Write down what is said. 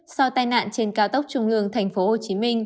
sau tai nạn trên cao tốc trung lương tp hcm